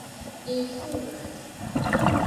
influas